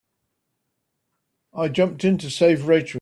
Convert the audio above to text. I jumped in to save Rachel.